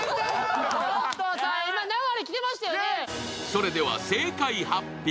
それでは正解発表。